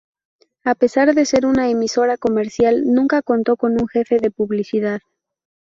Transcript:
A pesar de ser una emisora comercial, nunca contó con un jefe de publicidad.